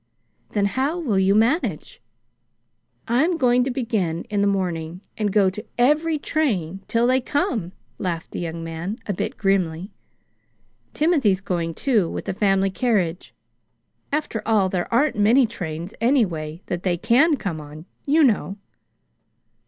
"Then how will you manage?" "I'm going to begin in the morning and go to every train till they come," laughed the young man, a bit grimly. "Timothy's going, too, with the family carriage. After all, there aren't many trains, anyway, that they can come on, you know."